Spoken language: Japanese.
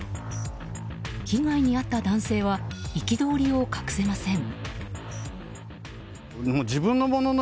被害に遭った男性は憤りを隠せません。